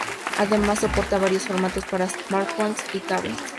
Además, soporta varios formatos para smartphones y tablets.